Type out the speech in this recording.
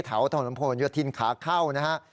เถาถนพลยดทินขาเข้านะฮะ